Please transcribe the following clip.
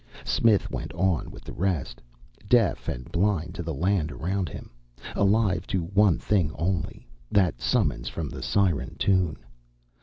Smith went on with the rest, deaf and blind to the land around him, alive to one thing only, that summons from the siren tune.